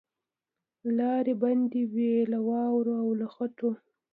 لاري بندي وې له واورو او له خټو